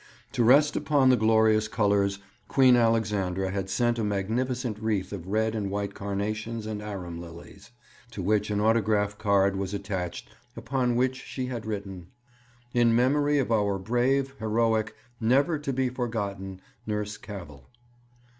To rest upon the glorious colours Queen Alexandra had sent a magnificent wreath of red and white carnations and arum lilies, to which an autograph card was attached upon which she had written: In memory of our brave, heroic, never to be forgotten Nurse Cavell.